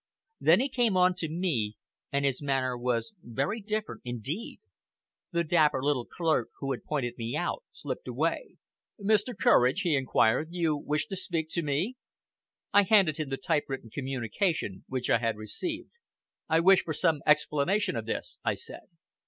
Then he came on to me, and his manner was very different indeed. The dapper little clerk, who had pointed me out, slipped away. "Mr. Courage?" he inquired; "you wished to speak to me." I handed him the typewritten communication which I had received. "I wish for some explanation of this," I said.